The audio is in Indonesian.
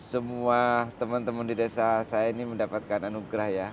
semua teman teman di desa saya ini mendapatkan anugerah ya